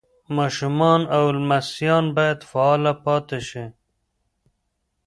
ماشومان او لمسیان باید فعاله پاتې شي.